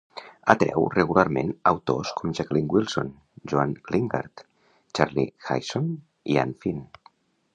Atreu regularment autors com Jacqueline Wilson, Joan Lingard, Charlie Higson i Anne Fine.